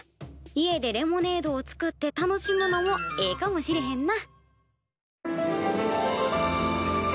家でレモネードを作って楽しむのもええかもしれへんな。